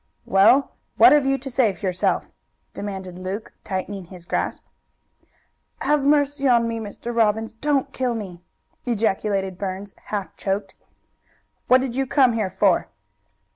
"Well, what have you to say for yourself?" demanded Luke, tightening his grasp. "Have mercy on me, Mr. Robbins! Don't kill me!" ejaculated Burns, half choked. "What did you come here for?"